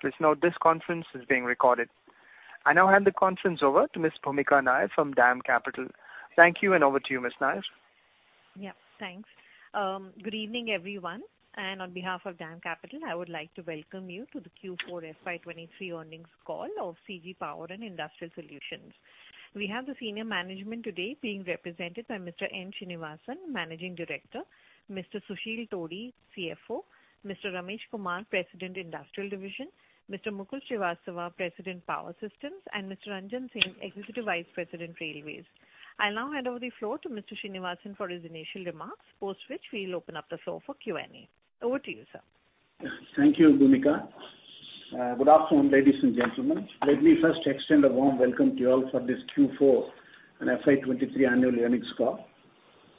Please note this conference is being recorded. I now hand the conference over to Ms. Bhoomika Nair from DAM Capital. Thank you, and over to you, Ms. Nair. Yeah, thanks. Good evening, everyone. On behalf of DAM Capital, I would like to welcome you to the Q4 FY 2023 earnings call of CG Power and Industrial Solutions. We have the senior management today being represented by Mr. N. Srinivasan, Managing Director, Mr. Susheel Todi, CFO, Mr. Ramesh Kumar, President, Industrial Division, Mr. Mukul Srivastava, President, Power Systems, and Mr. Ranjan Singh, Executive Vice President, Railways. I'll now hand over the floor to Mr. Srinivasan for his initial remarks, post which we'll open up the floor for Q&A. Over to you, sir. Thank you, Bhoomika. Good afternoon, ladies and gentlemen. Let me first extend a warm welcome to you all for this Q4 and FY 2023 annual earnings call.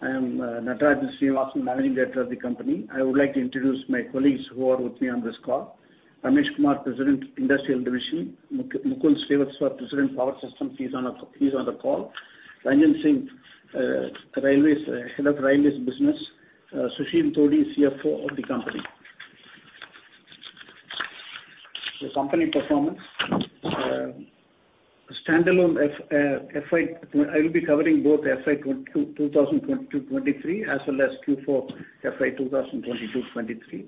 I am Natarajan Srinivasan, Managing Director of the Company. I would like to introduce my colleagues who are with me on this call. Ramesh Kumar, President, Industrial Division; Mukul Srivastava, President, Power Systems. He's on a, he's on the call. Ranjan Singh, Railways, Head of Railways Business. Susheel Todi, CFO of the Company. The Company performance. Standalone FY... I will be covering both FY 2022/2023 as well as Q4 FY 2022/2023.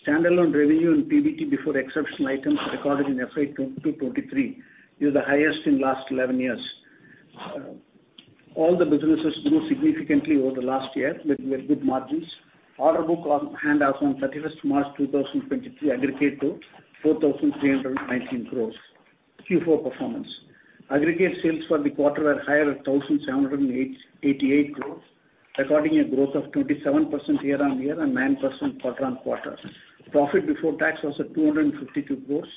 Standalone revenue and PBT before exceptional items recorded in FY 2022/2023 is the highest in last 11 years. All the businesses grew significantly over the last year with good margins. Order book on hand as on March 31st, 2023, aggregate to 4,319 crores. Q4 performance. Aggregate sales for the quarter were higher at 1,788 crores, recording a growth of 27% year-on-year and 9% quarter-on-quarter. Profit before tax was at 252 crores,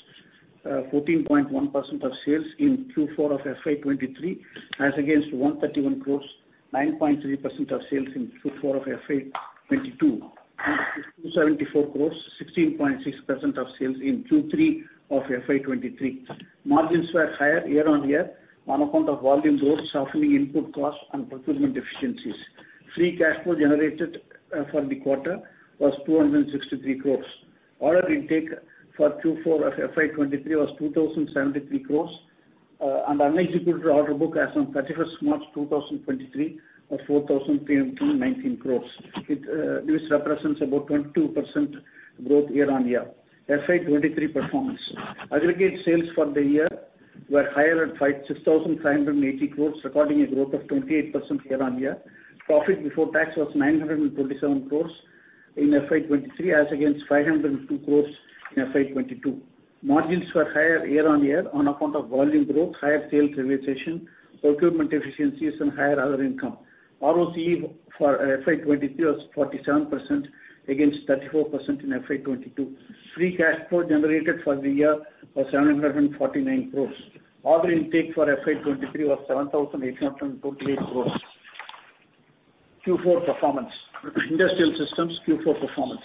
14.1% of sales in Q4 of FY 2023, as against 131 crores, 9.3% of sales in Q4 of FY 2022. 274 crores, 16.6% of sales in Q3 of FY 2023. Margins were higher year-on-year on account of volume growth, softening input costs and procurement efficiencies. Free cash flow generated for the quarter was 263 crores. Order intake for Q4 of FY 2023 was 2,073 crores, and unexecuted order book as on March 31st, 2023, was 4,319 crores. This represents about 22% growth year-on-year. FY 2023 performance. Aggregate sales for the year were higher at 6,580 crores, recording a growth of 28% year-on-year. Profit before tax was 927 crores in FY 2023, as against 502 crores in FY 2022. Margins were higher year-on-year on account of volume growth, higher sales realization, procurement efficiencies and higher other income. ROCE for FY 2023 was 47% against 34% in FY 2022. Free cash flow generated for the year was 749 crores. Order intake for FY 2023 was 7,828 crores. Q4 performance. Industrial Systems Q4 performance.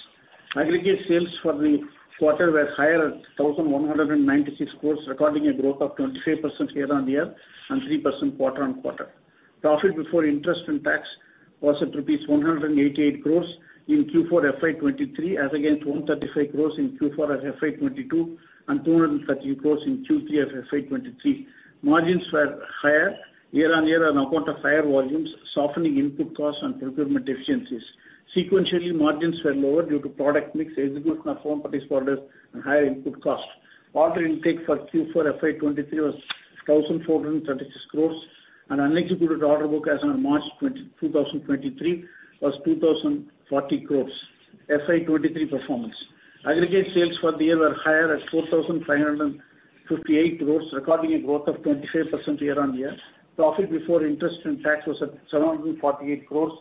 Aggregate sales for the quarter were higher at 1,196 crores, recording a growth of 25% year-on-year and 3% quarter-on-quarter. Profit before interest and tax was at rupees 188 crores in Q4 FY 2023, as against 135 crores in Q4 of FY 2022 and 230 crores in Q3 of FY 2023. Margins were higher year-on-year on account of higher volumes, softening input costs and procurement efficiencies. Sequentially, margins were lower due to product mix, execution of foreign parties orders and higher input costs. Order intake for Q4 FY 2023 was 1,436 crores, and unexecuted order book as on March 2023 was 2,040 crores. FY 2023 performance. Aggregate sales for the year were higher at 4,558 crores, recording a growth of 25% year-on-year. Profit before interest and tax was at 748 crores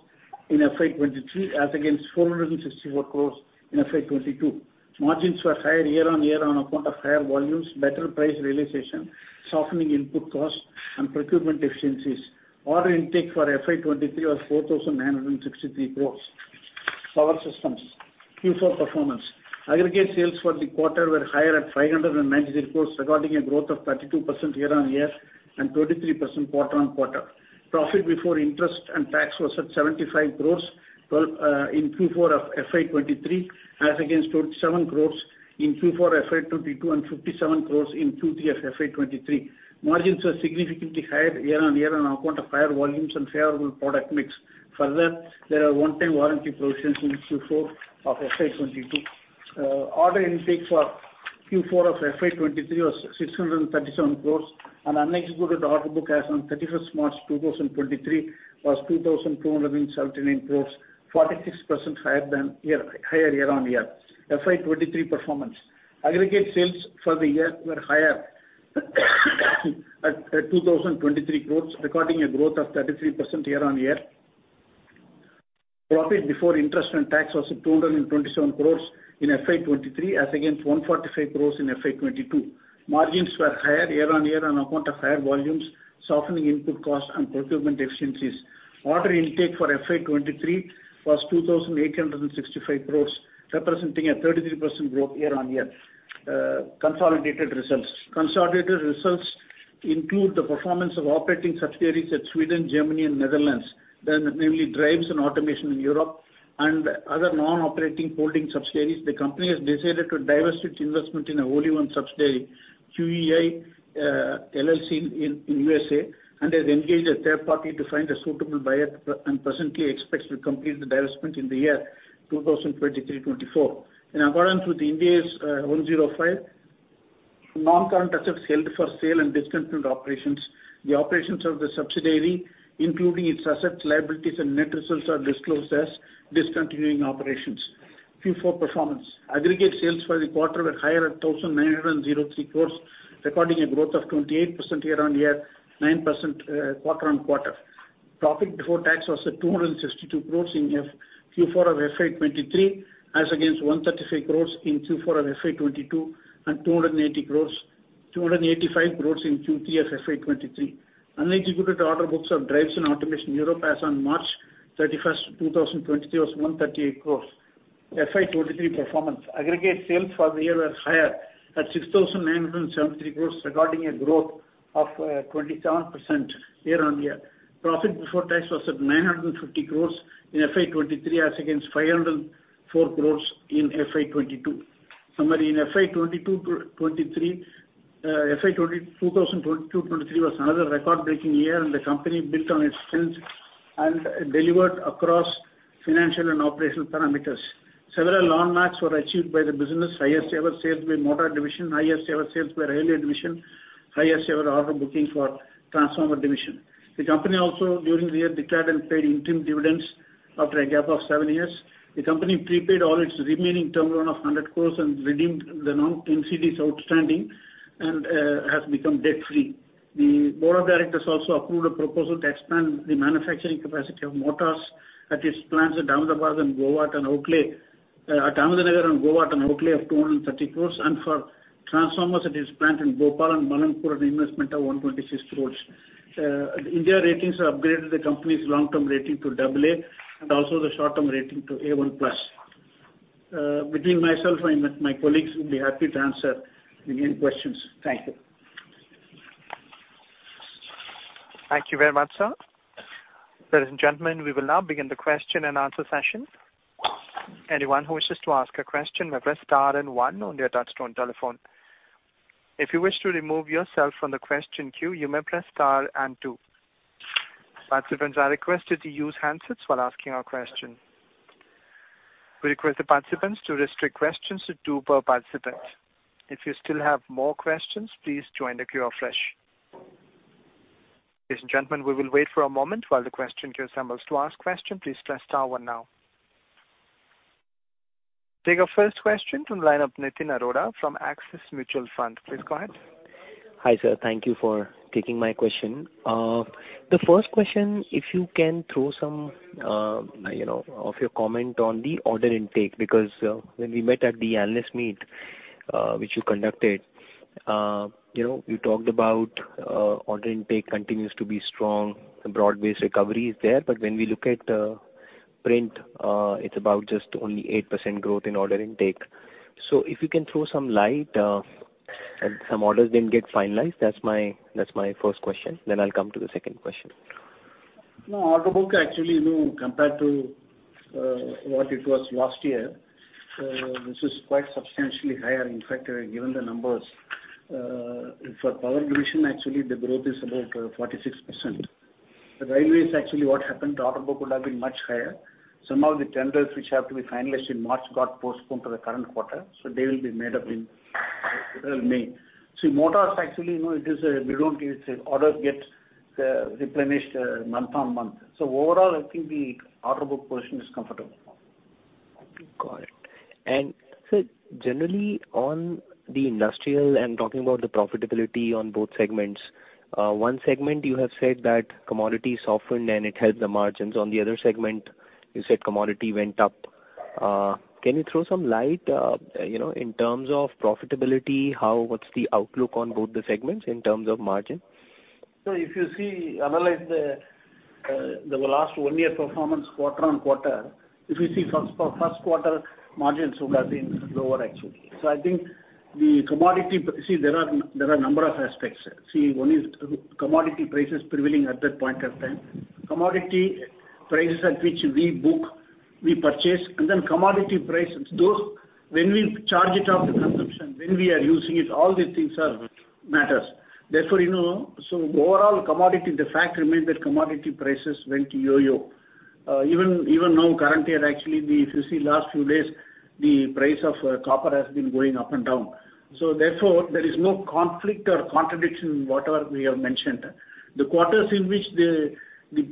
in FY 2023, as against 464 crores in FY 2022. Margins were higher year-on-year on account of higher volumes, better price realization, softening input costs and procurement efficiencies. Order intake for FY 2023 was 4,963 crores. Power Systems. Q4 performance. Aggregate sales for the quarter were higher at 590 crores, recording a growth of 32% year-on-year and 23% quarter-on-quarter. Profit before interest and tax was at 75 crores, well, in Q4 of FY 2023, as against 27 crores in Q4 FY 2022 and 57 crores in Q3 of FY 2023. Margins were significantly higher year-on-year on account of higher volumes and favorable product mix. There are one-time warranty provisions in Q4 of FY 2022. Order intake for Q4 of FY 2023 was 637 crores, and unexecuted order book as on March 31, 2023 was 2,279 crores, 46% higher year-on-year. FY 2023 performance. Aggregate sales for the year were higher at 2,023 crores, recording a growth of 33% year-on-year. Profit before interest and tax was at 227 crores in FY 2023, as against 145 crores in FY 2022. Margins were higher year-on-year on account of higher volumes, softening input costs and procurement efficiencies. Order intake for FY 2023 was 2,865 crores, representing a 33% growth year-on-year. Consolidated results. Consolidated results include the performance of operating subsidiaries at Sweden, Germany and Netherlands, mainly Drives & Automation in Europe. Other non-operating holding subsidiaries, the Company has decided to divest its investment in only one subsidiary, QEI LLC in USA, and has engaged a third party to find a suitable buyer and presently expects to complete the divestment in the year 2023-2024. In accordance with Ind AS 105 – Non-Current Assets Held for Sale and Discontinued Operations, the operations of the subsidiary, including its assets, liabilities and net results are disclosed as discontinuing operations. Q4 performance. Aggregate sales for the quarter were higher at 1,903 crores, recording a growth of 28% year-on-year, 9% quarter-on-quarter. Profit before tax was at 262 crores in Q4 of FY 2023, as against 135 crores in Q4 of FY 2022, and 285 crores in Q3 of FY 2023. Unexecuted order books of Drives & Automation in Europe as on March 31, 2023, was 138 crores. FY 2023 performance. Aggregate sales for the year were higher at 6,973 crores, recording a growth of 27% year-on-year. Profit before tax was at 950 crores in FY 2023, as against 504 crores in FY 2022. Summary. 2022-2023 was another record-breaking year, and the company built on its strength and delivered across financial and operational parameters. Several landmarks were achieved by the business, highest ever sales by Motor Division, highest ever sales by Railway Division, highest ever order booking for Transformer Division. The company also during the year declared and paid interim dividends after a gap of seven years. The company prepaid all its remaining term loan of 100 crore and redeemed the non-NCDs outstanding and has become debt-free. The Board of Directors also approved a proposal to expand the manufacturing capacity of motors at its plants at Ahmednagar and Goa an outlay of 230 crore, and for transformers at its plant in Bhopal and Malanpur, an investment of 126 crore. India Ratings upgraded the company's long-term rating to AA and also the short-term rating to A1+. Between myself and my colleagues, we'll be happy to answer any questions. Thank you. Thank you very much, sir. Ladies and gentlemen, we will now begin the Q&A session. Anyone who wishes to ask a question may press star and one on your touch-tone telephone. If you wish to remove yourself from the question queue, you may press star and two. Participants are requested to use handsets while asking a question. We request the participants to restrict questions to two per participant. If you still have more questions, please join the queue afresh. Ladies and gentlemen, we will wait for a moment while the question queue assembles. To ask question, please press star one now. Take our first question from the line of Nitin Arora from Axis Mutual Fund. Please go ahead. Hi, sir. Thank you for taking my question. The first question, if you can throw some, you know, of your comment on the order intake, because when we met at the analyst meet, which you conducted, you know, you talked about order intake continues to be strong and broad-based recovery is there. When we look at print, it's about just only 8% growth in order intake. If you can throw some light and some orders didn't get finalized. That's my first question, I'll come to the second question. No, order book actually, you know, compared to what it was last year, this is quite substantially higher. In fact, given the numbers for Power Division, actually the growth is about 46%. The Railways actually, what happened, the order book would have been much higher. Some of the tenders which have to be finalized in March got postponed to the current quarter, so they will be made up in April, May. See, Motors actually, you know, we don't get orders get replenished month on month. Overall, I think the order book position is comfortable. Got it. Sir, generally on the Industrial and talking about the profitability on both segments, one segment you have said that commodity softened and it helped the margins. On the other segment, you said commodity went up. Can you throw some light, you know, in terms of profitability, how, what's the outlook on both the segments in terms of margin? If you see, analyze the last one year performance quarter-on-quarter, if you see first quarter margins would have been lower actually. I think the commodity but you see there are number of aspects. One is the commodity prices prevailing at that point of time. Commodity prices at which we book, we purchase, and then commodity prices, those when we charge it off the consumption, when we are using it, all these things are matters. You know, overall commodity, the fact remains that commodity prices went Yo-Yo. Even now currently and actually the, if you see last few days, the price of copper has been going up and down. Therefore, there is no conflict or contradiction in whatever we have mentioned. The quarters in which the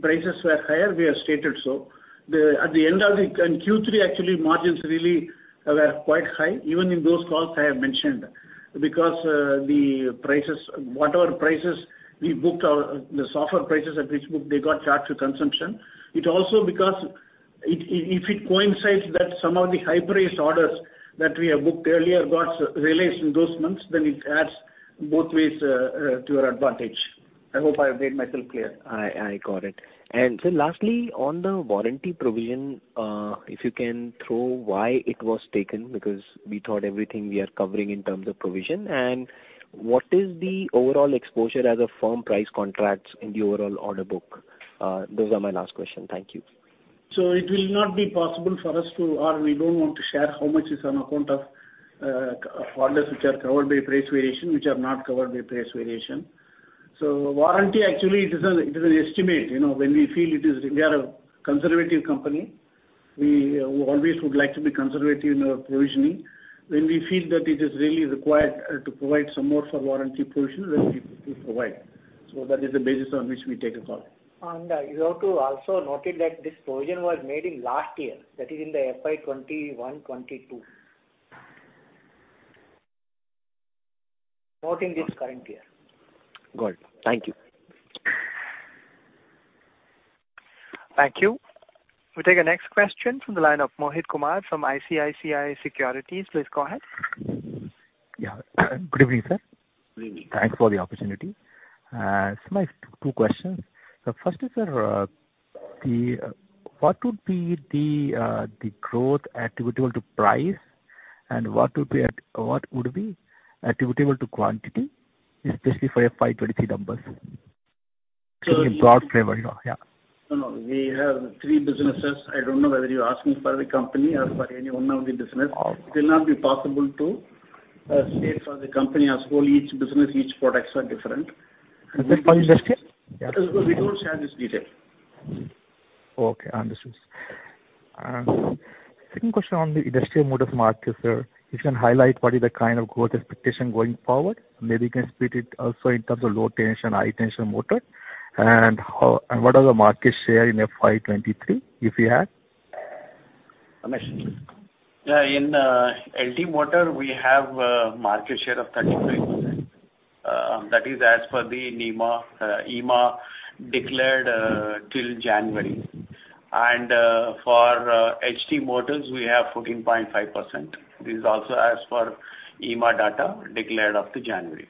prices were higher, we have stated so. At the end of the Q3 actually margins really were quite high. Even in those calls I have mentioned because the prices, whatever prices we booked our, the software prices at which booked, they got charged to consumption. It also because if it coincides that some of the high priced orders that we have booked earlier got released in those months, then it adds both ways to our advantage. I hope I have made myself clear. I got it. Sir, lastly, on the warranty provision, if you can throw why it was taken because we thought everything we are covering in terms of provision. What is the overall exposure as a firm price contracts in the overall order book? Those are my last question. Thank you. It will not be possible for us to. We don't want to share how much is on account of orders which are covered by price variation, which are not covered by price variation. Warranty actually it is an estimate, you know. When we feel we are a conservative company. We always would like to be conservative in our provisioning. When we feel that it is really required to provide some more for warranty provision, then we provide. That is the basis on which we take a call. You have to also noted that this provision was made in last year, that is in the FY 2021, 2022. Not in this current year. Good. Thank you. Thank you. We take our next question from the line of Mohit Kumar from ICICI Securities. Please go ahead. Yeah. Good evening, sir. Good evening. Thanks for the opportunity. My two questions. First is, what would be the growth attributable to price? What would be attributable to quantity, especially for your FY 2023 numbers? In broad flavor, you know? No, no. We have three businesses. I don't know whether you're asking for the company or for any one of the business. It will not be possible to state for the company as whole. Each business, each product are different. Is this for Industrial? Yeah. We don't share this detail. Okay, understood. Second question on the industrial motors market, sir. If you can highlight what is the kind of growth expectation going forward. Maybe you can split it also in terms of Low Tension, High Tension motor and what are the market share in FY 2023, if you have? Ramesh? Yeah. In LT motor, we have a market share of 33%. That is as per the IEEMA declared till January. For HT motors, we have 14.5%. This is also as per IEEMA data declared up to January.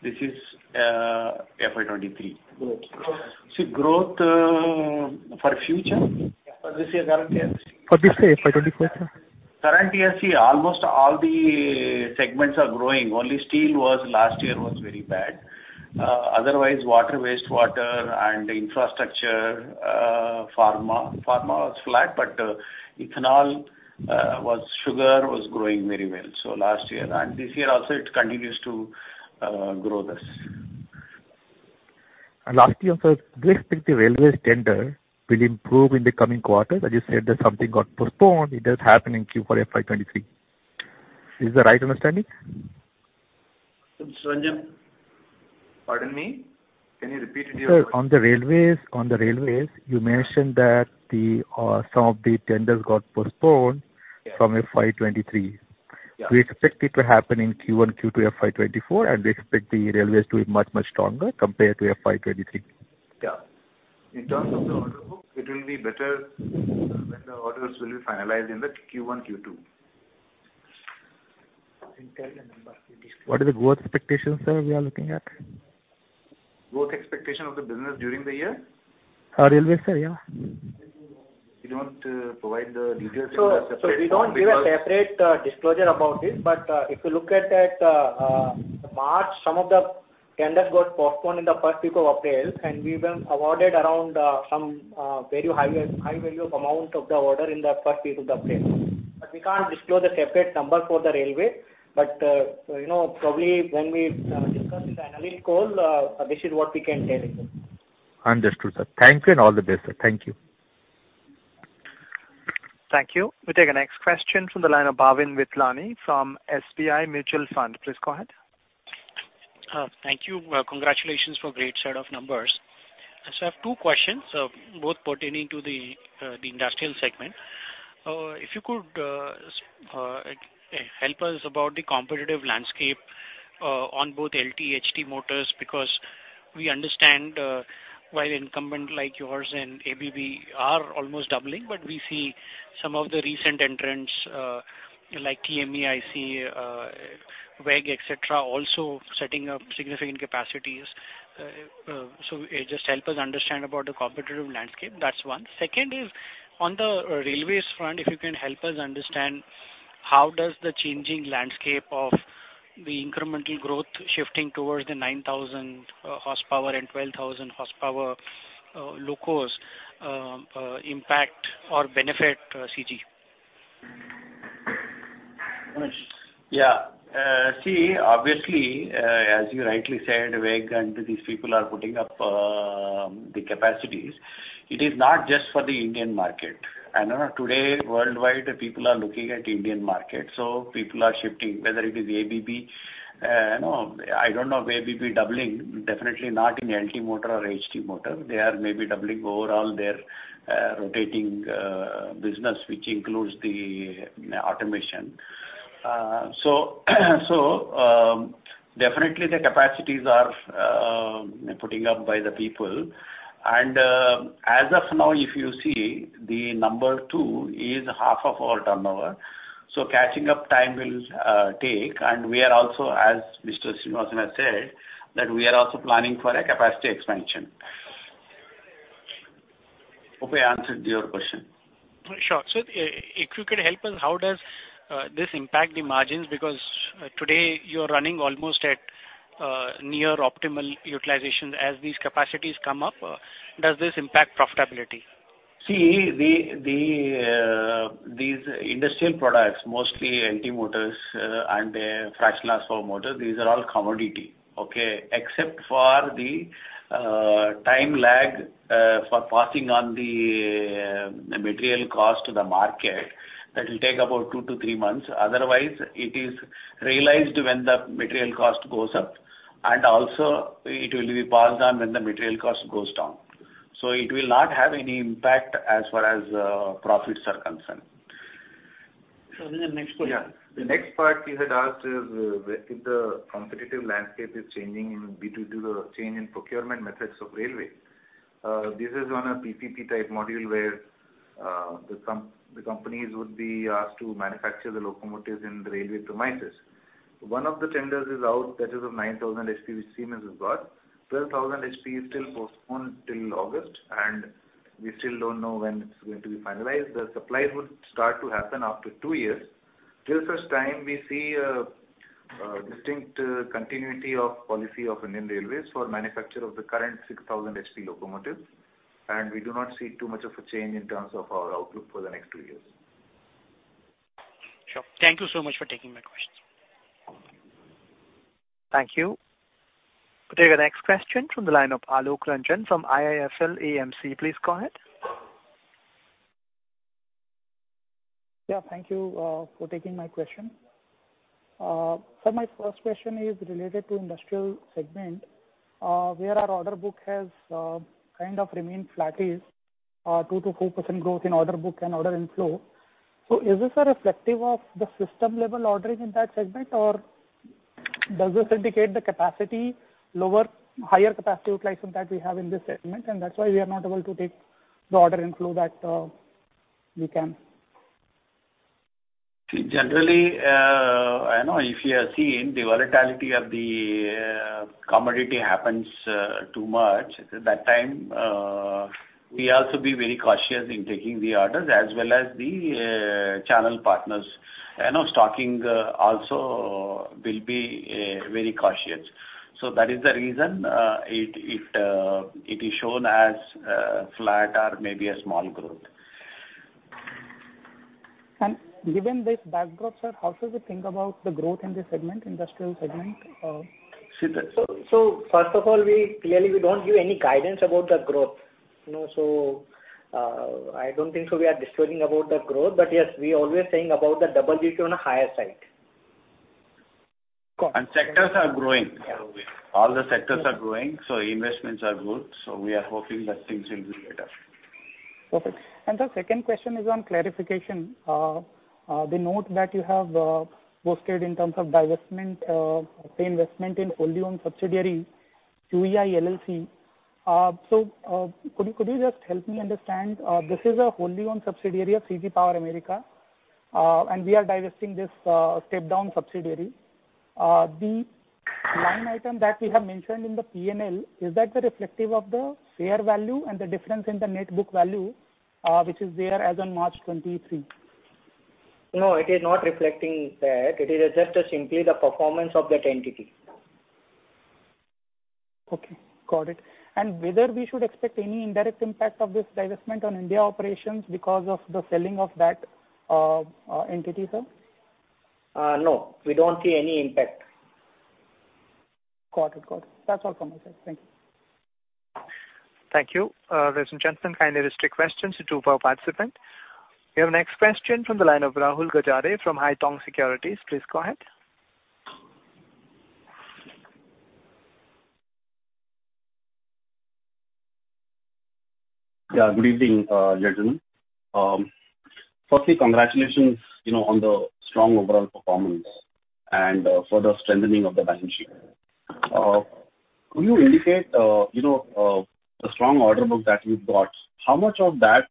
This is FY 2023. Growth. See growth for future? For this year current year. For this year, FY 2024, sir. Current year, see, almost all the segments are growing. Only steel was last year was very bad. Otherwise water, wastewater and infrastructure, pharma. Pharma was flat, but ethanol, was sugar was growing very well. Last year and this year also it continues to grow this. Lastly, on the railway tender will improve in the coming quarters. As you said that something got postponed, it does happen in Q4 FY 2023. Is that right understanding? Mr. Ranjan? Pardon me. Can you repeat it? Sir, on the Railways, you mentioned that the some of the tenders got postponed from FY 2023. We expect it to happen in Q1, Q2 FY 2024, and we expect the railways to be much, much stronger compared to FY 2023. Yeah. In terms of the order book, it will be better when the orders will be finalized in the Q1, Q2. I can tell the number. What is the growth expectation, sir, we are looking at? Growth expectation of the business during the year? Railways, sir, yeah. We don't provide the details. We don't give a separate disclosure about this. If you look at that March, some of the tenders got postponed in the first week of April, and we've been awarded around some very high value amount of the order in the first week of April. We can't disclose the separate number for the railway. You know, probably when we discuss in the analysts call, this is what we can tell you. Understood, sir. Thank you and all the best, sir. Thank you. Thank you. We take our next question from the line of Bhavin Vithlani from SBI Mutual Fund. Please go ahead. Thank you. Congratulations for great set of numbers. I have two questions, both pertaining to the Industrial segment. If you could help us about the competitive landscape on both LT, HT motors, because we understand while incumbent like yours and ABB are almost doubling, but we see some of the recent entrants like TMEIC, WEG, etc, also setting up significant capacities. Just help us understand about the competitive landscape. That's one. Second is on the railways front, if you can help us understand how the changing landscape of the incremental growth shifting towards the 9,000 horsePower and 12,000 horsePower locos impact or benefit CG. See, obviously, as you rightly said, WEG and these people are putting up the capacities. It is not just for the Indian market. I know today worldwide people are looking at Indian market, so people are shifting, whether it is ABB, you know, I don't know if ABB doubling, definitely not in LT motor or HT motor. They are maybe doubling overall their rotating business, which includes the automation. So, definitely the capacities are putting up by the people. As of now if you see, the number two is half of our turnover, so catching up time will take. We are also, as Mr. Srinivasan has said, that we are also planning for a capacity expansion. Hope I answered your question. Sure. If you could help us, how does this impact the margins? Because today you're running almost at near optimal utilization. As these capacities come up, does this impact profitability? See, these industrial products, mostly LT motors, and the fractional horsePower motors, these are all commodity, okay? Except for the time lag, for passing on the material cost to the market, that will take about two months to three months. Otherwise, it is realized when the material cost goes up, and also it will be passed on when the material cost goes down. It will not have any impact as far as profits are concerned. The next question. Yeah. The next part you had asked is whether the competitive landscape is changing due to the change in procurement methods of railway. This is on a PPP-type model, where the companies would be asked to manufacture the locomotives in the railway premises. One of the tenders is out, that is of 9,000 HP which Siemens has got. 12,000 HP is still postponed till August, we still don't know when it's going to be finalized. The supply would start to happen after two years. Till such time, we see a distinct continuity of policy of Indian Railways for manufacture of the current 6,000 HP locomotives, we do not see too much of a change in terms of our outlook for the next two years. Sure. Thank you so much for taking my questions. Thank you. We'll take the next question from the line of Alok Ranjan from IIFL AMC. Please go ahead. Thank you for taking my question. My first question is related to Industrial segment, where our order book has kind of remained flattish, 2%-4% growth in order book and order inflow. Is this a reflective of the system level ordering in that segment, or does this indicate the capacity higher capacity utilization that we have in this segment, and that's why we are not able to take the order inflow that we can? Generally, I know if you have seen the volatility of the commodity happens too much, at that time, we also be very cautious in taking the orders as well as the channel partners. I know stocking also will be very cautious. That is the reason it is shown as flat or maybe a small growth. Given this backdrop, sir, how should we think about the growth in this segment, Industrial segment? First of all, we clearly don't give any guidance about the growth. You know, I don't think so we are disclosing about the growth. Yes, we're always saying about the double-digit on a higher side. Got it. Sectors are growing. All the sectors are growing, so investments are good. We are hoping that things will be better. Perfect. The second question is on clarification. The note that you have posted in terms of divestment, the investment in wholly owned subsidiary, QEI LLC. Could you just help me understand, this is a wholly owned subsidiary of CG Power America, and we are divesting this step-down subsidiary. The line item that we have mentioned in the P&L, is that the reflective of the fair value and the difference in the net book value, which is there as on March 2023? No, it is not reflecting that. It is just simply the performance of that entity. Okay, got it. Whether we should expect any indirect impact of this divestment on India operations because of the selling of that entity, sir? No, we don't see any impact. Got it. Got it. That's all from my side. Thank you. Thank you. Ladies and gentlemen, kindly restrict questions to one per participant. Your next question from the line of Rahul Gajare from Haitong Securities. Please go ahead. Good evening, gentlemen. Firstly, congratulations, you know, on the strong overall performance and further strengthening of the balance sheet. Could you indicate, you know, the strong order book that you've got, how much of that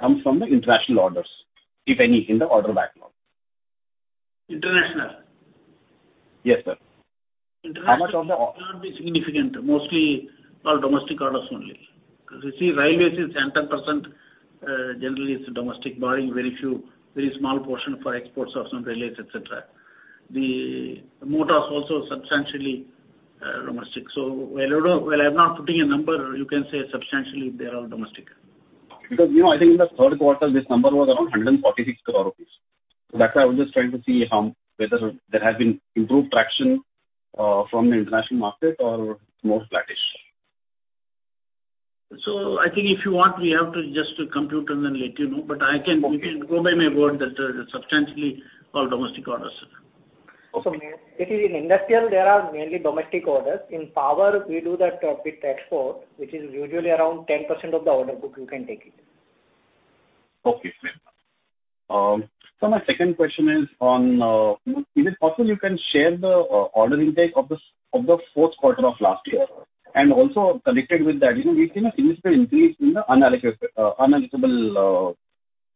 comes from the international orders, if any, in the order backlog? International? Yes, sir. International may not be significant. Mostly all domestic orders only. You see, Railways are 100%, generally it's domestic, barring very few, very small portion for exports of some railways, et cetera. The motors also substantially, domestic. While I'm not putting a number, you can say substantially they are all domestic. You know, I think in the third quarter this number was around 146 crore rupees. That's why I was just trying to see if whether there has been improved traction from the international market or more flattish. I think if you want, we have to just compute and then let you know. Okay. You can go by my word that, substantially all domestic orders. Okay. If it is Industrial, there are mainly domestic orders. In Power, we do that with export, which is usually around 10% of the order book, you can take it. Okay. My second question is on if it's possible you can share the order intake of the fourth quarter of last year. Also connected with that, you know, we've seen a significant increase in the unallocable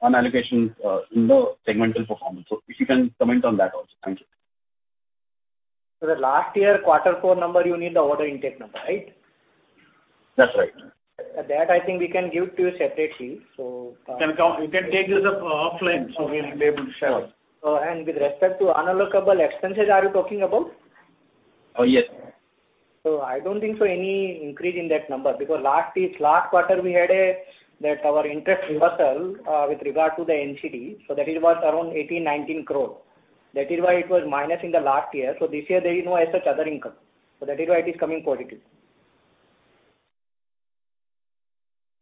unallocations in the segmental performance. If you can comment on that also. Thank you. The last year quarter four number you need the order intake number, right? That's right. That I think we can give to you separately. You can take this, offline. We'll be able to share. Sure. With respect to unallocable expenses are you talking about? Yes. I don't think so any increase in that number because last quarter we had a, that our interest reversal with regard to the NCD, so that it was around 18-19 crore. That is why it was minus in the last year. This year there is no as such other income, that is why it is coming positive.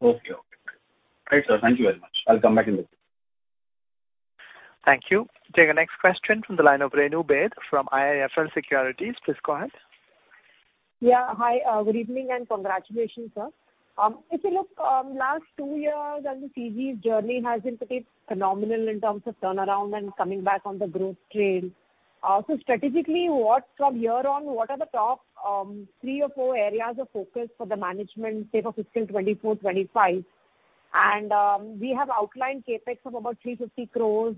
Okay. Right, sir. Thank you very much. I'll come back in a bit. Thank you. We'll take our next question from the line of Renu Baid from IIFL Securities. Please go ahead. Yeah. Hi, good evening and congratulations, sir. If you look, last two years and the CG's journey has been pretty phenomenal in terms of turnaround and coming back on the growth trail. Strategically, what from here on, what are the top, three or four areas of focus for the management, say, for fiscal 2024/2025? We have outlined CapEx of about 350 crores,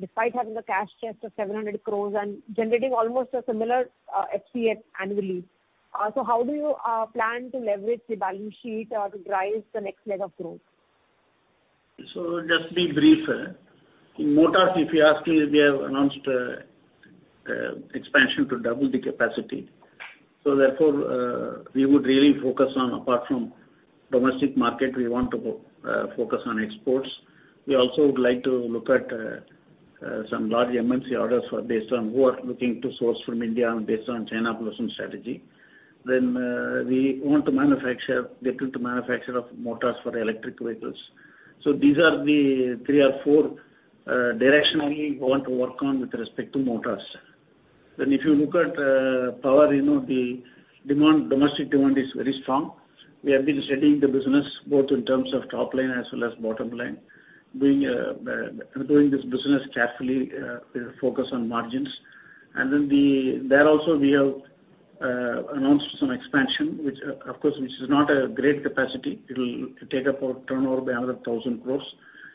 despite having a cash chest of 700 crores and generating almost a similar, FCF annually. How do you plan to leverage the value sheet to drive the next leg of growth? Just be brief. In motors, if you ask, we have announced expansion to double the capacity. Therefore, we would really focus on apart from domestic market, we want to go focus on exports. We also would like to look at some large MNC orders for based on who are looking to source from India and based on China Plus One strategy. We want to manufacture, get into manufacture of motors for electric vehicles. These are the three or four directionally we want to work on with respect to motors. If you look at Power, you know, the demand, domestic demand is very strong. We have been studying the business both in terms of top line as well as bottom line, doing this business carefully, focus on margins. There also we have announced some expansion, which of course, which is not a great capacity. It'll take up our turnover by another 1,000 crores.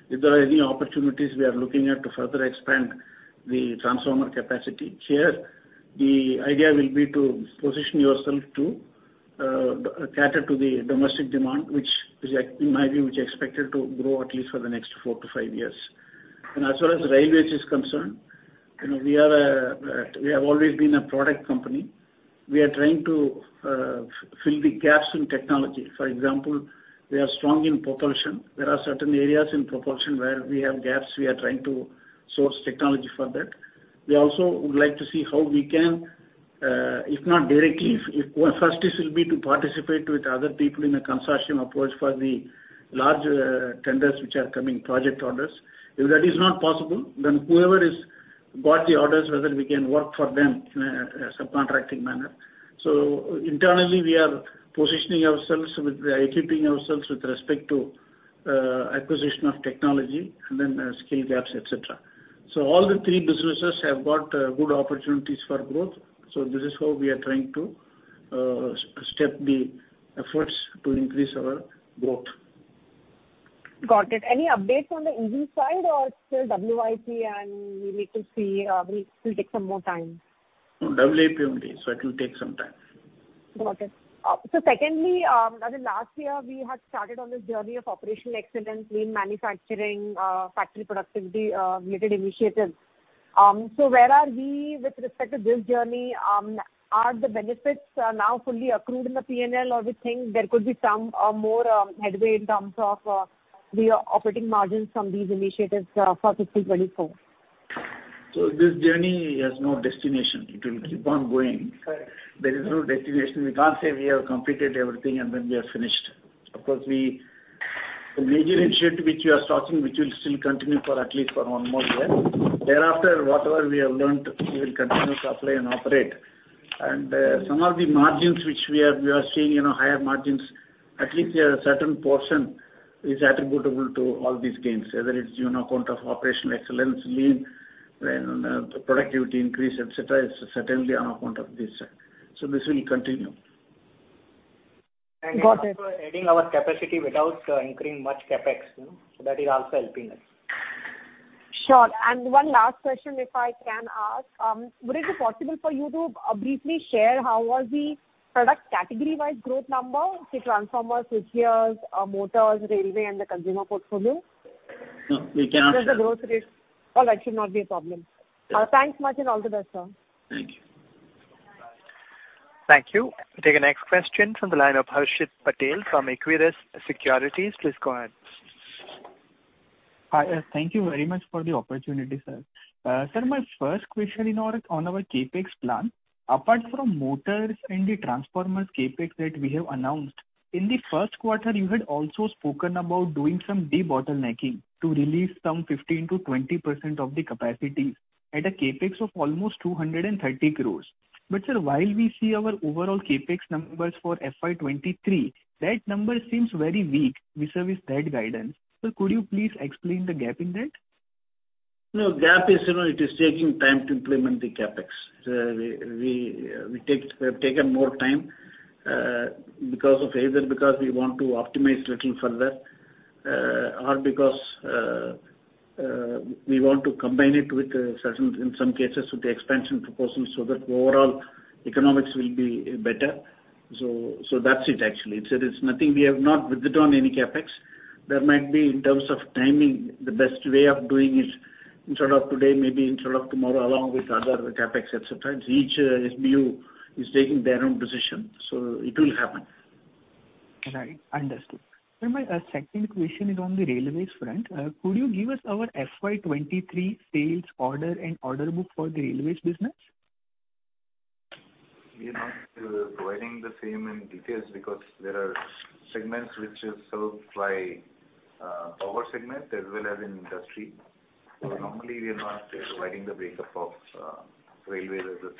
If there are any opportunities, we are looking at to further expand the transformer capacity. Here, the idea will be to position yourself to cater to the domestic demand, which is, in my view, which is expected to grow at least for the next four years to five years. As far as railways is concerned, you know, we have always been a product company. We are trying to fill the gaps in technology. For example, we are strong in propulsion. There are certain areas in propulsion where we have gaps, we are trying to source technology for that. We also would like to see how we can, if not directly, if first will be to participate with other people in a consortium approach for the large tenders which are coming, project orders. If that is not possible, whoever has got the orders, whether we can work for them in a subcontracting manner. Internally we are positioning ourselves with equipping ourselves with respect to acquisition of technology and then skill gaps, et cetera. All the three businesses have got good opportunities for growth. This is how we are trying to step the efforts to increase our growth. Got it. Any updates on the EV side or still WIP and we need to see, will take some more time? WIP only, so it will take some time. Got it. Secondly, I think last year we had started on this journey of operational excellence, lean manufacturing, factory productivity, related initiatives. Where are we with respect to this journey? Are the benefits now fully accrued in the P&L, or we think there could be some more headway in terms of the operating margins from these initiatives for fiscal 2024? This journey has no destination. It will keep on going. Correct. There is no destination. We can't say we have completed everything and then we are finished. Of course, we, the major initiative which we are starting, which will still continue for at least for one more year. Thereafter, whatever we have learnt, we will continue to apply and operate. Some of the margins which we have, we are seeing, you know, higher margins, at least a certain portion is attributable to all these gains, whether it's, you know, account of operational excellence, lean, then, the productivity increase, et cetera, is certainly on account of this. This will continue. Got it. We are also adding our capacity without incurring much CapEx, you know. That is also helping us. Sure. One last question, if I can ask. Would it be possible for you to briefly share how was the product category-wise growth number? Say transformers, switch gears, motors, railway, and the consumer portfolio? No, we cannot share. Just the growth rate. That should not be a problem. Yeah. Thanks much, and all the best, sir. Thank you. Thank you. We'll take our next question from the line of Harshit Patel from Equirus Securities. Please go ahead. Hi. Thank you very much for the opportunity, sir. Sir, my first question in order on our CapEx plan. Apart from motors and the transformers CapEx that we have announced, in the first quarter, you had also spoken about doing some debottlenecking to release some 15%-20% of the capacity at a CapEx of almost 230 crores. Sir, while we see our overall CapEx numbers for FY 2023, that number seems very weak vis-a-vis that guidance. Sir, could you please explain the gap in that? No, gap is, you know, it is taking time to implement the CapEx. We have taken more time, because of either because we want to optimize little further, or because we want to combine it with certain, in some cases, with the expansion proposals so that overall economics will be better. That's it actually. It's, there is nothing we have not withdrew any CapEx. There might be in terms of timing, the best way of doing it in sort of today, maybe in sort of tomorrow along with other CapEx, et cetera. Each SBU is taking their own position, it will happen. Right. Understood. Sir, my second question is on the railways front. Could you give us our FY 2023 sales order and order book for the railways business? We are not providing the same in details because there are segments which is served by Power Systems as well as in Industrial Division. Normally we are not providing the breakup of Railway Division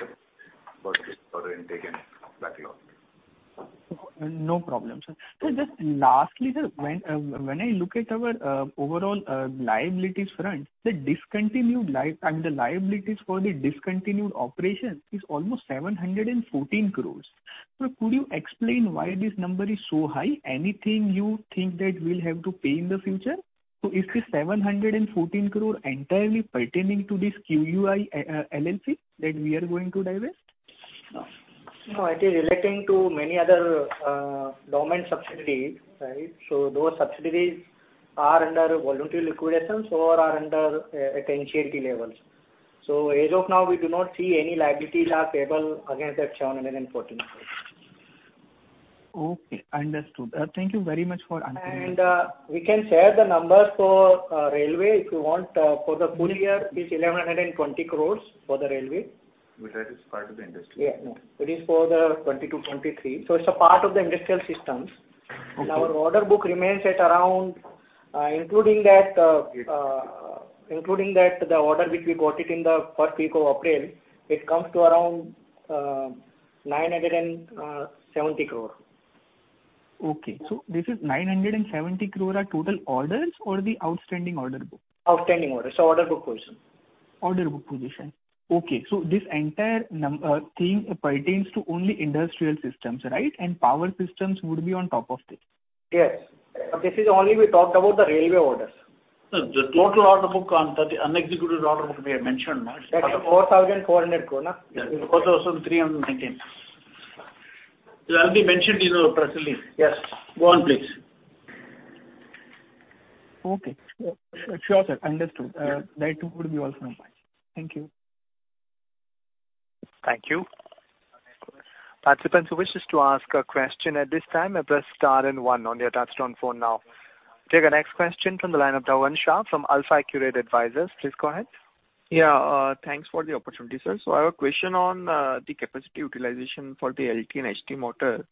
as a separate order intake and backlog. No problem, sir. Just lastly, the when I look at our overall liabilities front, the discontinued and the liabilities for the discontinued operation is almost 714 crore. Could you explain why this number is so high? Anything you think that we'll have to pay in the future. Is this 714 crore entirely pertaining to this QEI LLC that we are going to divest? No, it is relating to many other, dormant subsidiaries, right? Those subsidiaries are under voluntary liquidations or are under, at NCLT levels. As of now, we do not see any liabilities are payable against that 714 crores. Okay, understood. Thank you very much for answering. We can share the numbers for railway if you want. For the full year it's 1,120 crores for the railway. That is part of the Industrial. Yeah. It is for the 2022, 2023. It's a part of the Industrial Systems. Okay. Our order book remains at around, including that the order which we got it in the first week of April, it comes to around, 970 crore. Okay. This is 970 crore are total orders or the outstanding order book? Outstanding orders. Order book position. Order book position. Okay. This entire thing pertains to only Industrial Systems, right? Power Systems would be on top of this. Yes. This is only we talked about the railway orders. No, the total order book on the unexecuted order book we have mentioned now. That's INR 4,400 crore. Yeah. 4,319. That will be mentioned in our press release. Yes. Go on, please. Okay. Sure, sir. Understood. That too would be also known. Thank you. Thank you. Participant who wishes to ask a question at this time, press star and one on your touchtone phone now. Take our next question from the line of Dhavan Shah from AlfAccurate Advisors. Please go ahead. Yeah. Thanks for the opportunity, sir. I have a question on the capacity utilization for the LT and HT motor.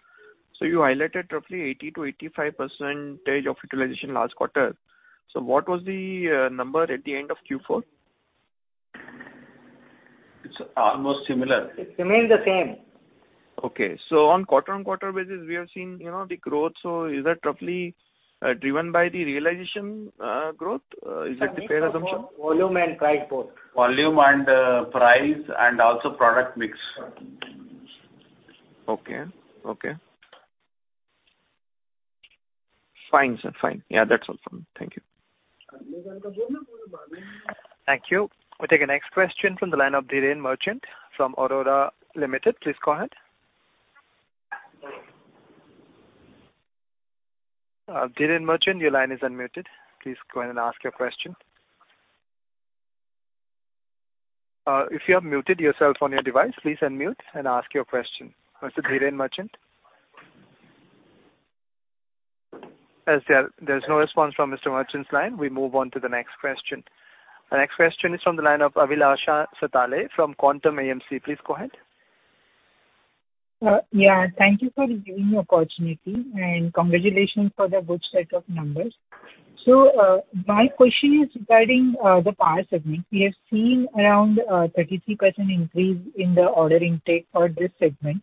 You highlighted roughly 80%-85% of utilization last quarter. What was the number at the end of Q4? It's almost similar. It remains the same. On quarter-on-quarter basis, we have seen, you know, the growth. Is that roughly driven by the realization growth? Is that a fair assumption? Volume and price both. Volume and, price and also product mix. Okay. Okay. Fine, sir. Fine. Yeah, that's all from me. Thank you. Thank you. We take our next question from the line of Dhiren Merchant from Aurora Limited. Please go ahead. Dhiren Merchant, your line is unmuted. Please go ahead and ask your question. If you have muted yourself on your device, please unmute and ask your question. Mr. Dhiren Merchant? As there's no response from Mr. Merchant's line, we move on to the next question. The next question is from the line of Abhilasha Satale from Quantum AMC. Please go ahead. Yeah. Thank you for giving the opportunity and congratulations for the good set of numbers. My question is regarding Power Systems segment. We have seen around 33% increase in the order intake for this segment.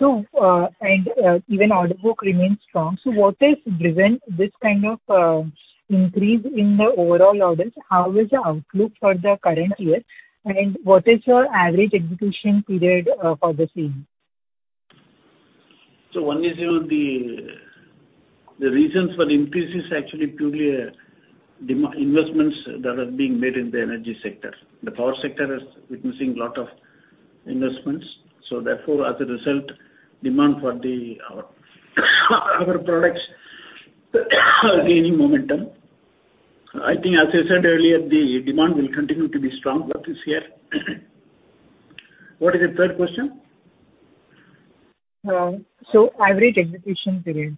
And even order book remains strong. What has driven this kind of increase in the overall orders? How is the outlook for the current year, and what is your average execution period for the same? One is, you know, the reasons for the increase is actually purely investments that are being made in the energy sector. The Power sector is witnessing lot of investments. Therefore, as a result, demand for the, our products gaining momentum. I think as I said earlier, the demand will continue to be strong for this year. What is the third question? Average execution period.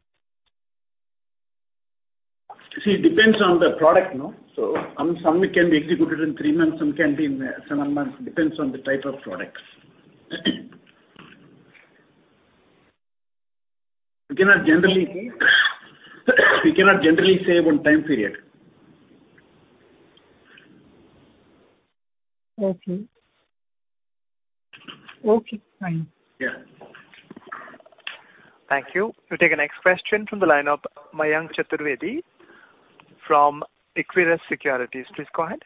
It depends on the product, no? Some can be executed in three months, some can be in seven months. Depends on the type of products. We cannot generally say one time period. Okay. Okay, fine. Yeah. Thank you. We take the next question from the line of Mayank Chaturvedi from Equirus Securities. Please go ahead.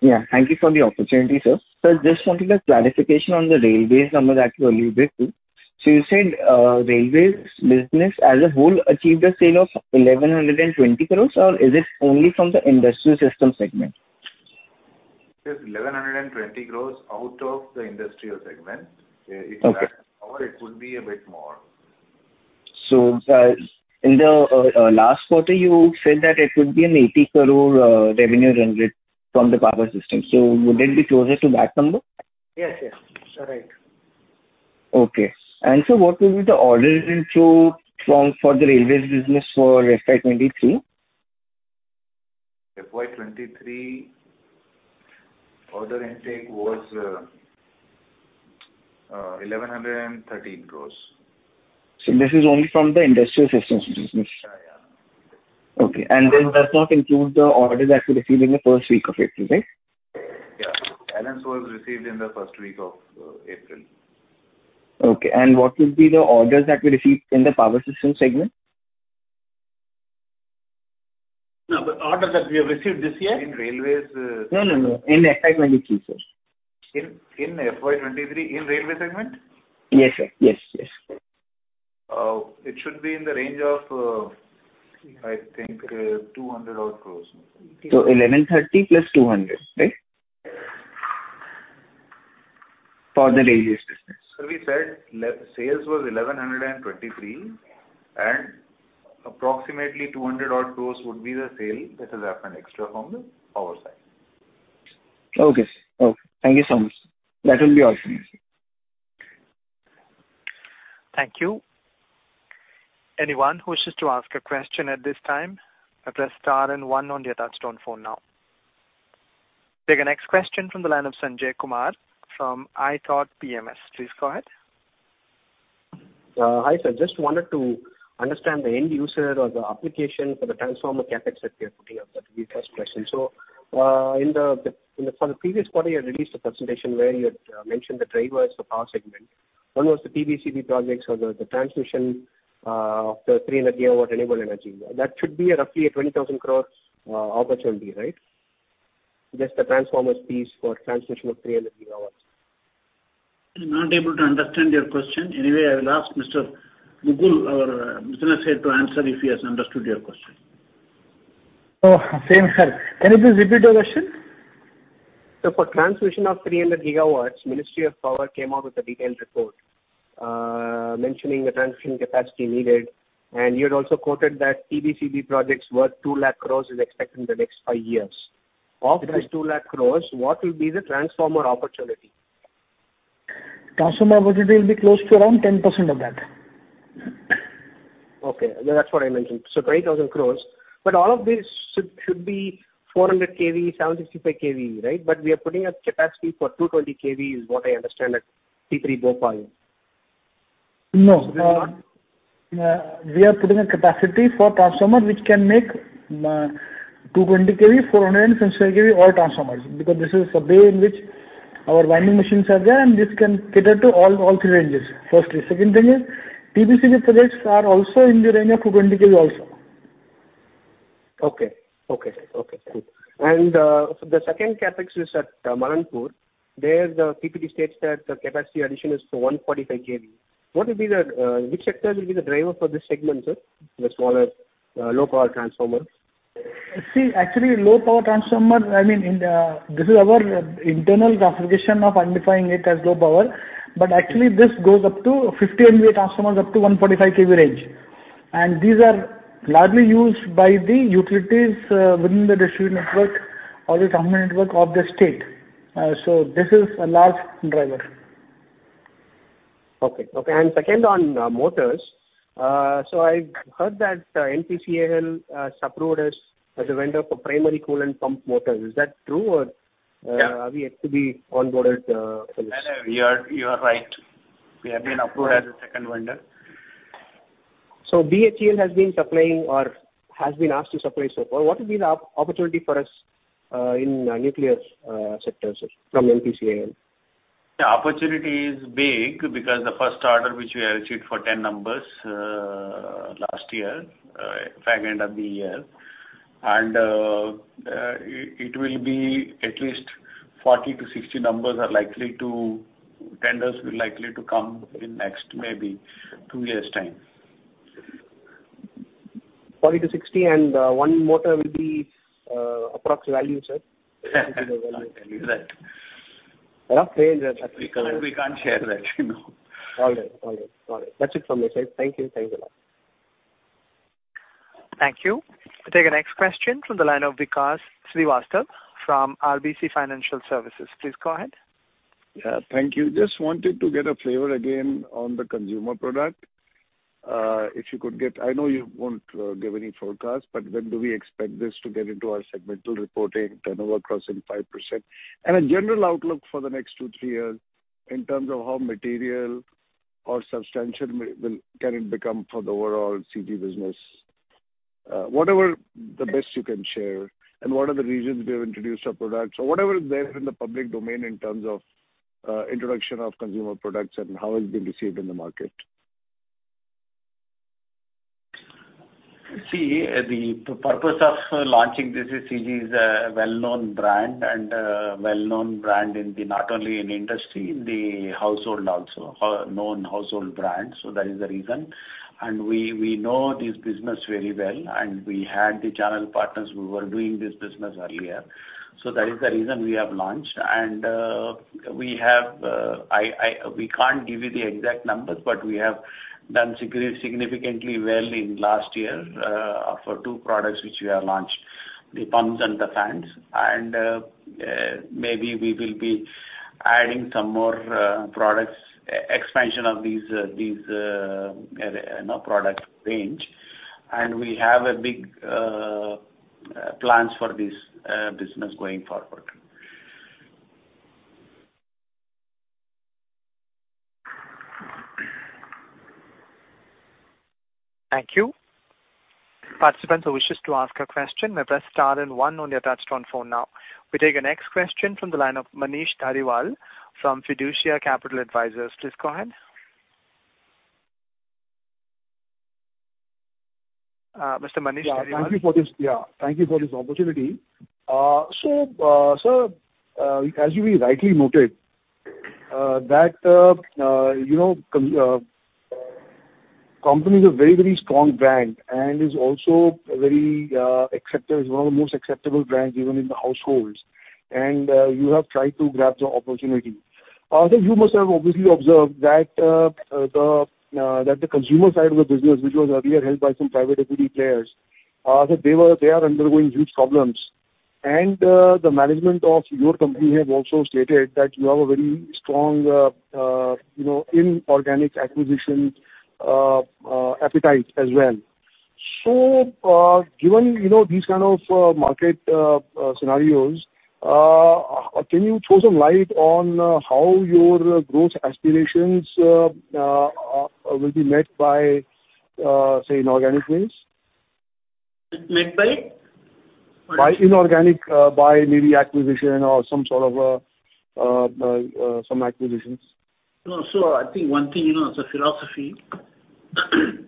Yeah. Thank you for the opportunity, sir. I just wanted a clarification on the railways number that you alluded to. You said, railways business as a whole achieved a sale of 1,120 crores, or is it only from the Industrial System segment? It is 1,120 crores out of the industrial segment. Okay. If you add Power, it could be a bit more. In the last quarter, you said that it would be an 80 crore revenue generated from the Power Systems. Would it be closer to that number? Yes, yes. Right. Okay. What will be the orders in flow for the railways business for FY 2023? FY 2023 order intake was 1,113 crores. This is only from the Industrial Systems business? Yeah, yeah. Okay. Does not include the orders that you received in the first week of April, right? Yeah. Also was received in the first week of April. Okay. What would be the orders that we received in the Power Systems segment? No, the order that we have received this year. In Railways. No, no. In FY 2023, sir. In FY 2023 in Railway segment? Yes, sir. Yes, yes. It should be in the range of, I think, 200 odd crores. 1,130 plus 200, right? For the railway business. We said sales was 1,123, and approximately 200 odd crores would be the sale that has happened extra from the Power side. Okay, sir. Okay. Thank you so much. That will be all from me, sir. Thank you. Anyone who wishes to ask a question at this time, press star one on your touchtone phone now. Take the next question from the line of Sanjay Kumar from iThought PMS. Please go ahead. Hi, sir. Just wanted to understand the end user or the application for the transformer CapEx that we are putting up. That'll be the first question. In the previous quarter, you had released a presentation where you had mentioned the drivers for Power segment. One was the TBCB projects or the transmission of the 300 gigawatt renewable energy. That should be roughly a 20,000 crores opportunity, right? Just the transformers piece for transmission of 300 GW. I'm not able to understand your question. Anyway, I will ask Mr. Mukul Srivastava, our business head, to answer if he has understood your question. Oh, same here. Can you please repeat your question? For transmission of 300 GW, Ministry of Power came out with a detailed report mentioning the transmission capacity needed. You had also quoted that TBCB projects worth 2 lakh crores is expected in the next five years. Of this 2 lakh crores, what will be the transformer opportunity? Transformer opportunity will be close to around 10% of that. Okay. That's what I mentioned. 20,000 crores. All of this should be 400 kV, 755 kV, right? We are putting a capacity for 220 kV, is what I understand at T3 Bhopal. No. We are putting a capacity for transformer which can make 220 kV, 400 and 750 kV oil transformers, because this is the way in which our winding machines are there, and this can cater to all three ranges. Firstly. Second thing is TBCB projects are also in the range of 220 kV also. Okay. Okay. Okay, cool. So the second CapEx is at Malanpur. There the PPT states that the capacity addition is for 145 kV. What will be the Which sector will be the driver for this segment, sir, the smaller, low power transformers? See, actually low power transformer, I mean, in, this is our internal classification of identifying it as low power. Actually, this goes up to 50 MVA transformers up to 145 kV range. These are largely used by the utilities, within the distribution network or the transmission network of the state. This is a large driver. Okay. Okay. Second on motors. I've heard that NPCIL has approved us as a vendor for primary coolant pump motors. Is that true? Yeah. Are we yet to be onboarded for this? No, you are right. We have been approved as a second vendor. BHEL has been supplying or has been asked to supply so far. What will be the opportunity for us, in nuclear sector, sir, from NPCIL? The opportunity is big because the first order which we have received for 10 numbers, last year, at the back end of the year. It will be at least 40-60 numbers. Tenders will likely to come in next maybe two years' time. 40-60, and, one motor will be, approx value, sir? Can't tell you that. A lot of range at different- We can't share that, you know. All right. All right. All right. That's it from my side. Thank you. Thanks a lot. Thank you. We'll take the next question from the line of Vikas Srivastava from RBC Financial Services. Please go ahead. Yeah. Thank you. Just wanted to get a flavor again on the consumer product. If you could get, I know you won't give any forecast, but when do we expect this to get into our segmental reporting, turnover crossing 5%? A general outlook for the next two, three years in terms of how material or substantial will it become for the overall CG business? Whatever the best you can share, and what are the regions we have introduced our products or whatever is there in the public domain in terms of introduction of consumer products and how it's been received in the market? The purpose of launching this is CG is a well-known brand, a well-known brand not only in industry, in the household also. A known household brand, that is the reason. We know this business very well, and we had the channel partners who were doing this business earlier. That is the reason we have launched. We can't give you the exact numbers, but we have done significantly well in last year for two products which we have launched, the pumps and the fans. Maybe we will be adding some more products, expansion of these, you know, product range. We have a big plans for this business going forward. Thank you. Participants who wish to ask a question may press star then one on your touch-tone phone now. We take our next question from the line of Manish Dhariwal from Fiducia Capital Advisors. Please go ahead. Mr. Manish Dhariwal. Yeah, thank you for this opportunity. So sir, as you rightly noted, that, you know, company is a very, very strong brand and is also very accepted. It's one of the most acceptable brands even in the households. You have tried to grab the opportunity. Sir, you must have obviously observed that the consumer side of the business, which was earlier held by some private equity players, that they are undergoing huge problems. The management of your company have also stated that you have a very strong, you know, inorganic acquisition appetite as well. Given, you know, these kind of market scenarios, can you throw some light on how your growth aspirations will be met by, say, inorganic ways? Met by? By inorganic, by maybe acquisition or some sort of, some acquisitions. No. I think one thing, you know, the philosophy,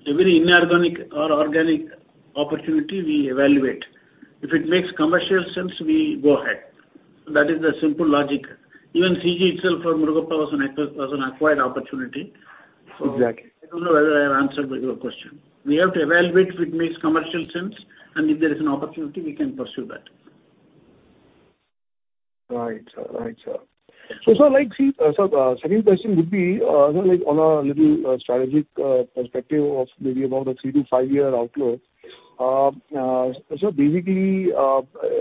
every inorganic or organic opportunity we evaluate. If it makes commercial sense, we go ahead. That is the simple logic. Even CG itself for Murugappa was an acquired opportunity. Exactly. I don't know whether I have answered your question. We have to evaluate if it makes commercial sense, and if there is an opportunity, we can pursue that. Right, sir. Sir, like, see, sir, second question would be, you know, like on a little strategic perspective of maybe about a three year to five-year outlook. Basically,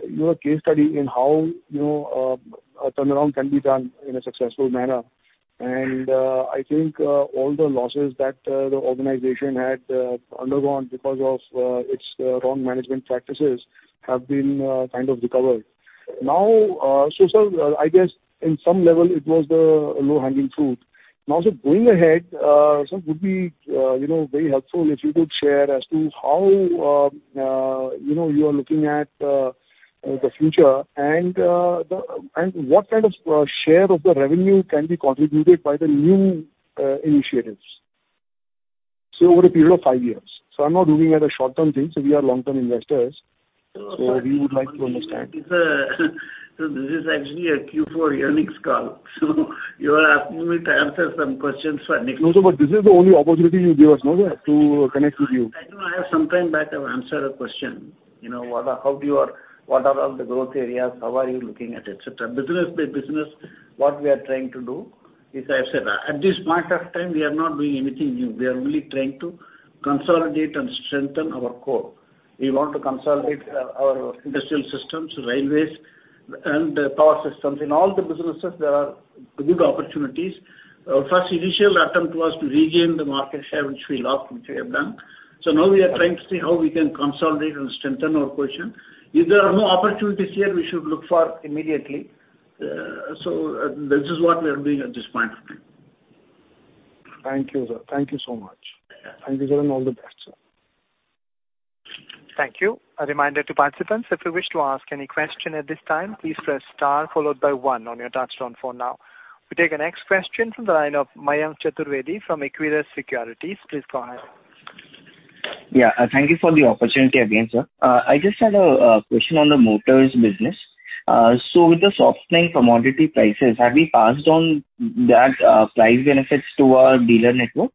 your case study in how, you know, a turnaround can be done in a successful manner. I think, all the losses that the organization had undergone because of its wrong management practices have been kind of recovered. Now, so, sir, I guess in some level it was the low-hanging fruit. Sir, going ahead, sir, would be, you know, very helpful if you could share as to how, you know, you are looking at the future and, the, and what kind of share of the revenue can be contributed by the new initiatives. Over a period of five years. I'm not looking at a short-term thing, sir. We are long-term investors. So, we would like to understand. Sir, this is actually a Q4 earnings call. You are asking me to answer some questions. No, sir, but this is the only opportunity you give us, no, sir, to connect with you. I know. I have sometime back I've answered a question, you know, how do you or what are all the growth areas, how are you looking at, et cetera. Business by business, what we are trying to do is I've said, at this point of time, we are not doing anything new. We are only trying to consolidate and strengthen our core. We want to consolidate our Industrial Systems, Railways and Power Systems. In all the businesses there are good opportunities. Our first initial attempt was to regain the market share which we lost, which we have done. Now we are trying to see how we can consolidate and strengthen our position. If there are no opportunities here, we should look for immediately. This is what we are doing at this point of time. Thank you, sir. Thank you so much. Yeah. Thank you, sir, and all the best, sir. Thank you. A reminder to participants, if you wish to ask any question at this time, please press star followed by one on your touchtone phone now. We take our next question from the line of Mayank Chaturvedi from Equirus Securities. Please go ahead. Yeah. Thank you for the opportunity again, sir. I just had a question on the motors business. With the softening commodity prices, have you passed on that price benefits to our dealer network?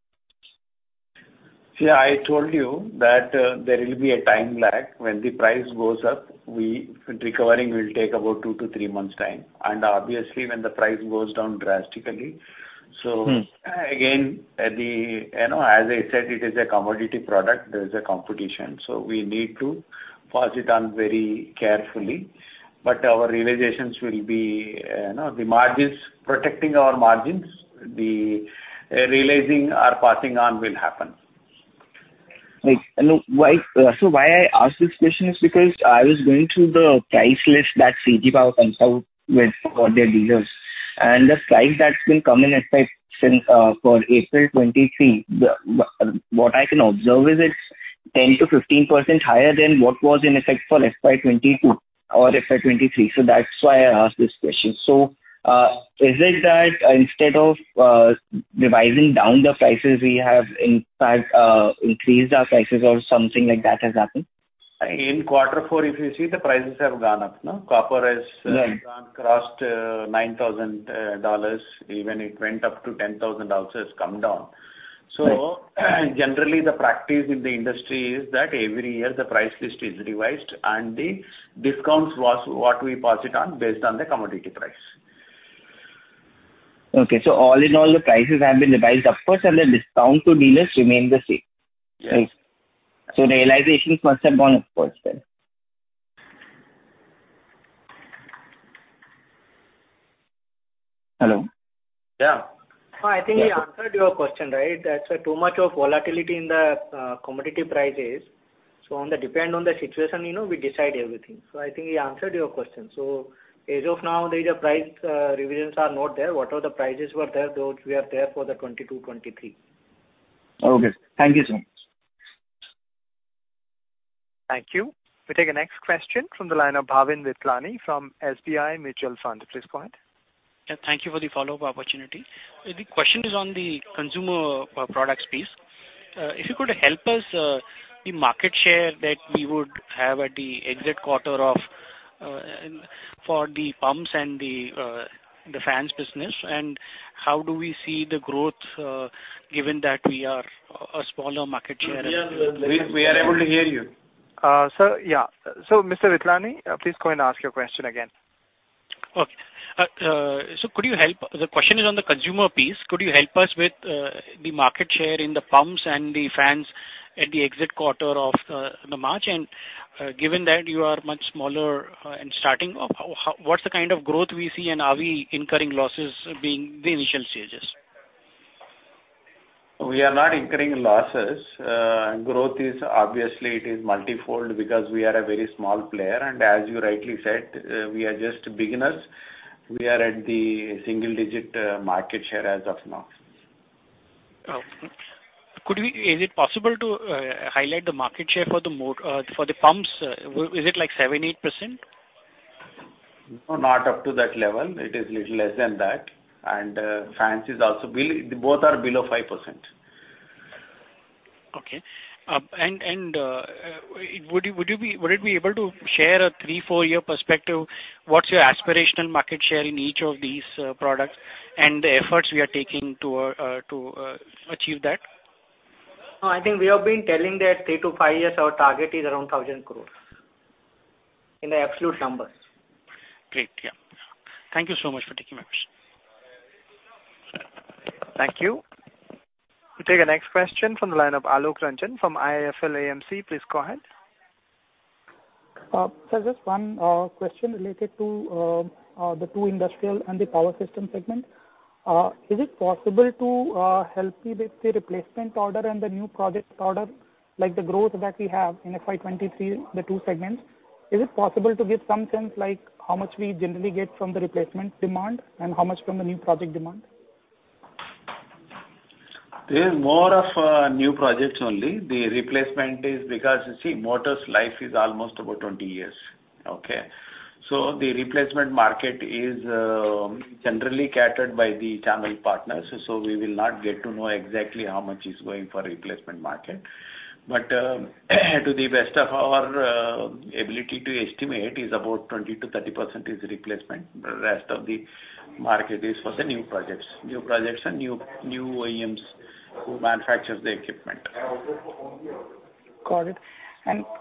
See, I told you that there will be a time lag when the price goes up, recovering will take about two months to three months time. Obviously, when the price goes down drastically. Again, the, you know, as I said, it is a commodity product. There is a competition. We need to pass it on very carefully. Our realizations will be, you know, the margins, protecting our margins. The realizing or passing on will happen. Like, you know, why I ask this question is because I was going through the price list that CG Power comes out with for their dealers. The price that's been come in effect since for April 2023, what I can observe is it's 10%-15% higher than what was in effect for FY 2022 or FY 2023. That's why I asked this question. Is it that instead of revising down the prices we have in fact increased our prices or something like that has happened? In quarter four, if you see the prices have gone up, no? gone crossed, $9,000. Even it went up to $10,000. It's come down. Right. Generally the practice in the industry is that every year the price list is revised and the discounts was what we pass it on based on the commodity price. Okay. All in all the prices have been revised, of course, and the discount to dealers remain the same. Yes. Realizations must have gone up, of course, then. Hello? Yeah. I think he answered your question, right? That's why too much of volatility in the commodity prices. Depend on the situation, you know, we decide everything. I think he answered your question. As of now, there is a price revisions are not there. What are the prices were there, those we are there for the 2022, 2023. Okay. Thank you, sir. Thank you. We take the next question from the line of Bhavin Vithlani from SBI Mutual Fund. Please go ahead. Thank you for the follow-up opportunity. The question is on the consumer product piece. If you could help us, the market share that we would have at the exit quarter of for the pumps and the fans business, and how do we see the growth given that we are a smaller market share? We are able to hear you. Sir. Mr. Vithlani, please go and ask your question again. Okay. The question is on the consumer piece. Could you help us with the market share in the pumps and the fans at the exit quarter of the March? Given that you are much smaller in starting, how what's the kind of growth we see and are we incurring losses being the initial stages? We are not incurring losses. Growth is obviously it is multi-fold because we are a very small player. As you rightly said, we are just beginners. We are at the single digit market share as of now. Okay. Is it possible to highlight the market share for the pumps? Is it like 7%, 8%? No, not up to that level. It is little less than that and fans also. Both are below 5%. Okay. Would you be able to share a three, four year perspective, what's your aspirational market share in each of these products and the efforts we are taking to achieve that? I think we have been telling that three to five years our target is around 1,000 crores in the absolute numbers. Great. Yeah. Thank you so much for taking my question. Thank you. We take the next question from the line of Alok Ranjan from IIFL AMC. Please go ahead. Sir, just one question related to the two Industrial and Power Systems segments. Is it possible to help me with the replacement order and the new project order, like the growth that we have in FY 2023, the two segments? Is it possible to give some sense like how much we generally get from the replacement demand and how much from the new project demand? There is more of new projects only. The replacement is because, you see, motor's life is almost about 20 years. Okay. The replacement market is generally catered by the channel partners, so we will not get to know exactly how much is going for replacement market. To the best of our ability to estimate, is about 20%-30% is replacement. The rest of the market is for the new projects. New projects and new OEMs who manufactures the equipment. Got it.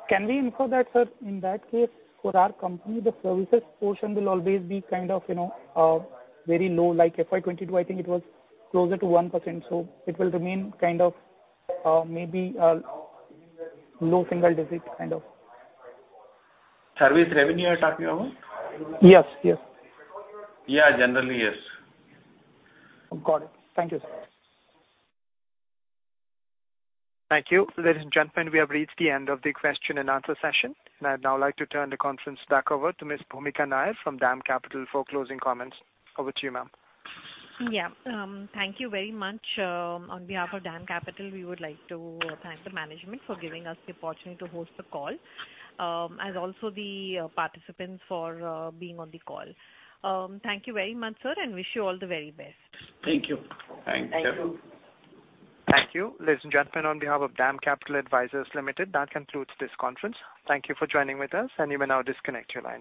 Can we infer that, sir, in that case, for our company, the services portion will always be kind of, you know, very low, like FY 2022, I think it was closer to 1%. It will remain kind of, maybe, low single-digit kind of. Service revenue you're talking about? Yes. Yes. Yeah. Generally, yes. Got it. Thank you, sir. Thank you. Ladies and gentlemen, we have reached the end of the question and answer session, and I'd now like to turn the conference back over to Ms. Bhoomika Nair from DAM Capital for closing comments. Over to you, ma'am. Yeah. Thank you very much. On behalf of DAM Capital, we would like to thank the management for giving us the opportunity to host the call, and also the participants for being on the call. Thank you very much, sir, and wish you all the very best. Thank you. Thank you. Thank you. Thank you. Ladies and gentlemen, on behalf of DAM Capital Advisors Limited, that concludes this conference. Thank you for joining with us, and you may now disconnect your lines.